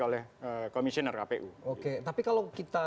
oleh komisioner kpu oke tapi kalau kita